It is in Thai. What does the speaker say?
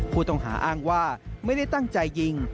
ผู้ต้องหาอ้างว่าไม่ได้ตั้งใจยิง